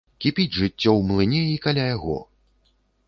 Кіпіць жыццё ў млыне і каля яго.